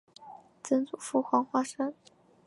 曾祖父黄华生。